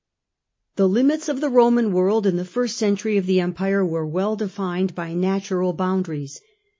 The limits of the Roman world in the first century of tne Empire were well defined by natural boundaries.